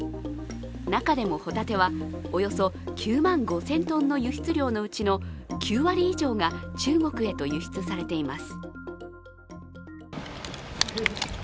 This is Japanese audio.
中でもホタテはおよそ９万５０００ｔの輸出量のうち９割以上が中国へと輸出されています。